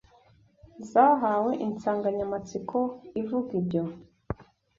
zahawe insanganyamatsiko ivuga ibyo